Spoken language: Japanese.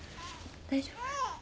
大丈夫？